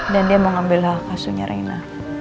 dan dia mau ngambil hal kasunya reina